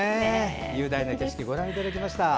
雄大な景色をご覧いただきました。